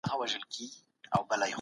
تاسي تل په شکر سره ژوند کوئ.